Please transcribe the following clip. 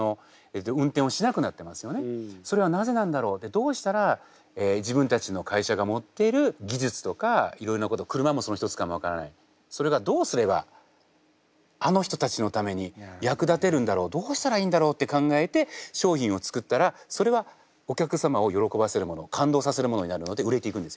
どうしたら自分たちの会社が持っている技術とかいろいろなこと車もその一つかも分からないそれがどうすればあの人たちのために役立てるんだろうどうしたらいいんだろうって考えて商品を作ったらそれはお客様を喜ばせるもの感動させるものになるので売れていくんですよ。